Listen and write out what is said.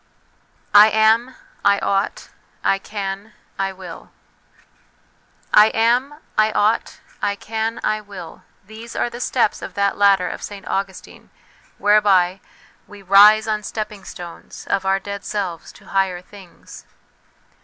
' I am, I ought, I can, I will.'' I am, I ought, I can, I will ' these are the steps of that ladder of St Augustine, whereby we " rise on stepping stones Of our dead selves to higher things."